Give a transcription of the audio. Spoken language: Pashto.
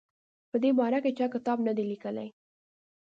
په دې باره کې چا کتاب نه دی لیکلی.